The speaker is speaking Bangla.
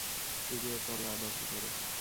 দ্বিতীয় তলা দখল কর।